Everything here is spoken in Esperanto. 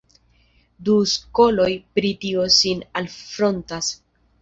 Du skoloj pri tio sin alfrontas.